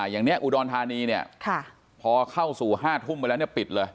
อย่างนี้อุดรธานีพอเข้าสู่ห้าทุ่มไปแล้วปิดเลย